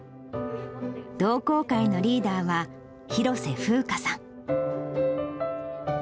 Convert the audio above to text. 同好会のリーダーは、廣瀬ふうかさん。